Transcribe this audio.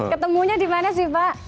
ketemunya di mana sih pak